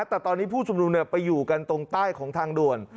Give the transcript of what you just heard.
แต่ตอนนี้ผู้ชุมนุมไปอยู่กันตรงใต้ของทางด่วน